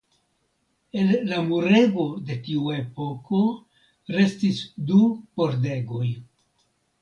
El la murego de tiu epoko restis du pordegoj.